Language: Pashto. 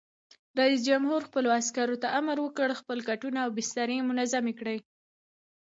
رئیس جمهور خپلو عسکرو ته امر وکړ؛ خپل کټونه او بسترې منظم کړئ!